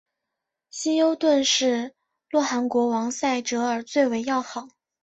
希优顿是洛汗国王塞哲尔最为要好。